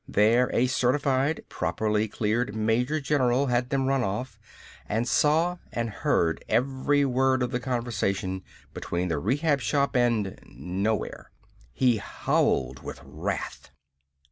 There a certified, properly cleared major general had them run off, and saw and heard every word of the conversation between the Rehab Shop and nowhere. He howled with wrath.